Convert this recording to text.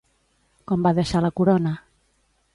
Com va deixar la corona?